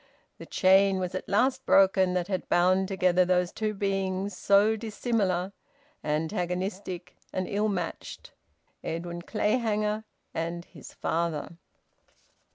The chain was at last broken that had bound together those two beings so dissimilar, antagonistic, and ill matched Edwin Clayhanger and his father.